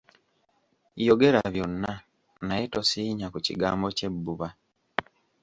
Yogera byonna naye tosiinya ku kigambo ky'ebbuba.